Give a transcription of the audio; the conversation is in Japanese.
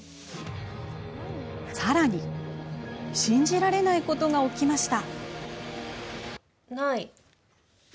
さらに、信じられないことが起きました。